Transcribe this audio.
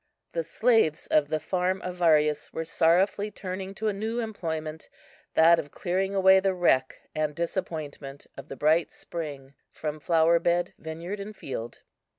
The slaves of the farm of Varius were sorrowfully turning to a new employment, that of clearing away the wreck and disappointment of the bright spring from flower bed, vineyard, and field.